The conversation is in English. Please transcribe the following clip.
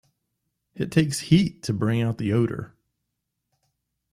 It takes heat to bring out the odor.